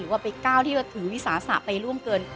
ว่าไปก้าวที่จะถือวิสาสะไปร่วมเกิน